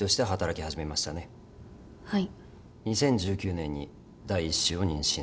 ２０１９年に第１子を妊娠された。